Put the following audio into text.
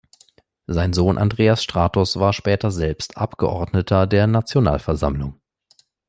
Sein Sohn Andreas Stratos war später selbst Abgeordneter der Nationalversammlung.